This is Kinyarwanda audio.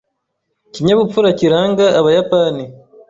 Ikinyabupfura kiranga abayapani.